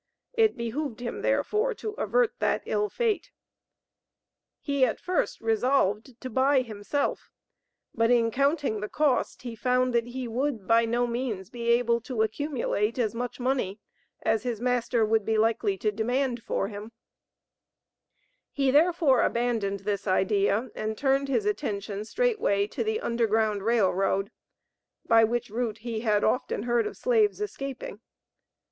It behooved him, therefore, to avert that ill fate. He at first resolved to buy himself, but in counting the cost he found that he would by no means be able to accumulate as much money as his master would be likely to demand for him; he, therefore, abandoned this idea and turned his attention straightway to the Underground Rail Road, by which route he had often heard of slaves escaping.